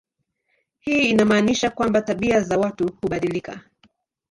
Hii inamaanisha kwamba tabia za watu hubadilika.